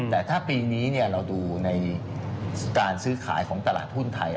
แต่ถ้าปีนี้เราดูในการซื้อขายของตลาดหุ้นไทย